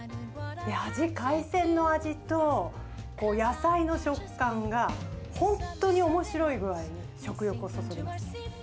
味、海鮮の味と、野菜の食感が本当におもしろい具合に食欲をそそります。